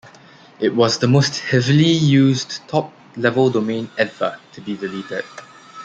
It was the most heavily used top-level domain ever to be deleted.